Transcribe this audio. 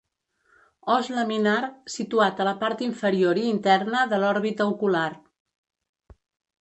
Os laminar situat a la part inferior i interna de l'òrbita ocular.